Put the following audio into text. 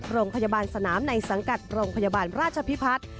โรงพยาบาลสนามในสังกัดโรงพยาบาลราชพิพัฒน์